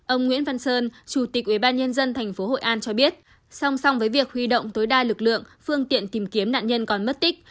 ông nguyễn văn sơn chủ tịch ubnd tp hội an cho biết song song với việc huy động tối đa lực lượng phương tiện tìm kiếm nạn nhân còn mất tích